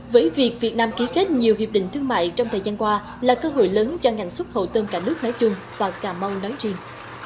với việc việt nam ký kết nhiều hiệp định thương mại trong thời gian qua là cơ hội lớn cho ngành xuất khẩu tôm cả nước nói chung và cà mau nói riêng